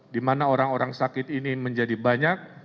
di mana orang orang sakit ini menjadi banyak